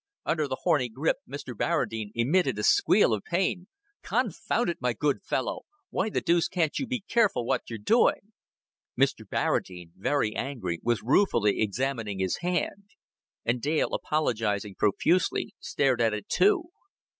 Under the horny grip, Mr. Barradine emitted a squeal of pain. "Confound it my good fellow why the deuce can't you be careful what you're doing?" Mr. Barradine, very angry, was ruefully examining his hand; and Dale, apologizing profusely, stared at it too.